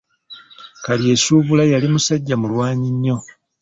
Kalyesuubula yali musajja mulwanyi nnyo.